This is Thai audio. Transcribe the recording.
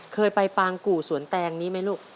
เคยไปปางกู่สวนแตงนี้ไหมลูก